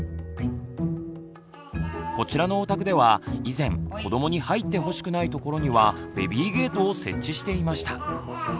こちらのお宅では以前子どもに入ってほしくない所にはベビーゲートを設置していました。